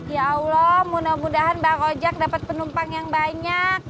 ya allah mudah mudahan bang ojek dapat penumpang yang banyak